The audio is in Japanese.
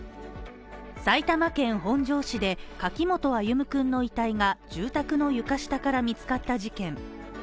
埼玉県本庄市で、柿本歩夢君の遺体が住宅の床下から見つかった事件。